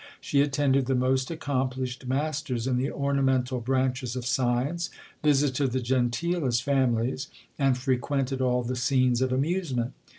She attended the most accomplished masters in the ornamental branches of science ; visited the gen teelest families, and frequented all the scenes of amuse ment.